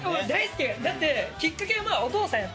だってきっかけはお父さん。